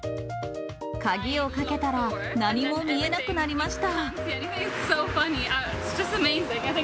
鍵をかけたら何も見えなくなりました。